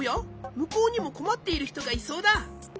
むこうにもこまっているひとがいそうだ。